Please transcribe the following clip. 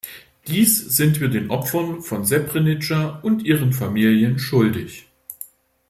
Dies sind wir den Opfern von Srebrenica und ihren Familien schuldig.